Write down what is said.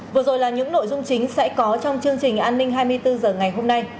vừa rồi là những nội dung chính sẽ có trong chương trình an ninh hai mươi bốn h ngày hôm nay